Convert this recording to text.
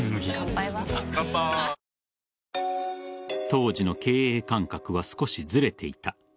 当時の経営感覚は少しずれていた。